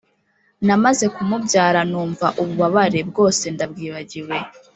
Namaze kumubyara numva ububabare bwose ndabwibagiwe